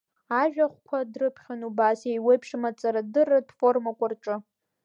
Ажәахәқәа дрыԥхьон убас еиуеиԥшым аҭҵаарадырратә форумқәа рҿы…